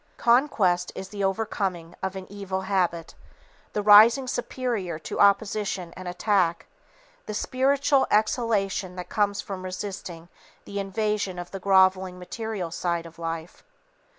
Conquest is the overcoming of an evil habit, the rising superior to opposition and attack, the spiritual exaltation that comes from resisting the invasion of the grovelling material side of life.